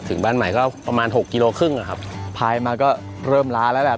ถึงบ้านใหม่ก็ประมาณหกกิโลครึ่งอะครับพายมาก็เริ่มล้าแล้วแหละ